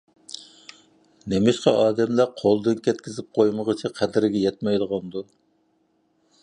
نېمىشقا ئادەملەر قولدىن كەتكۈزۈپ قويمىغۇچە قەدرىگە يەتمەيدىغاندۇ؟